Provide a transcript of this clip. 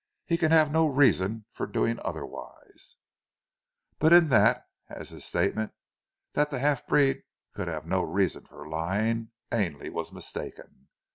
He can have no reason for doing otherwise." But in that, as in his statement that the half breed could have no reason for lying, Ainley was mistaken.